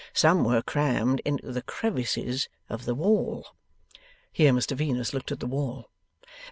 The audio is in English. Some were crammed into the crevices of the wall"'; (Here Mr Venus looked at the wall.)